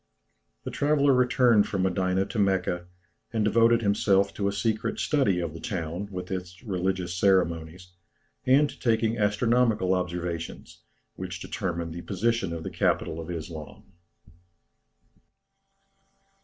The traveller returned from Medina to Mecca, and devoted himself to a secret study of the town, with its religious ceremonies, and to taking astronomical observations, which determined the position of the capital of Islam.